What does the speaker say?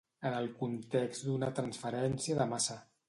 En el context d'una transferència de massa.